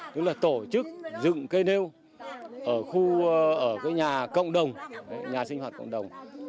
tức là tổ chức dựng cây nêu ở khu ở nhà cộng đồng nhà sinh hoạt cộng đồng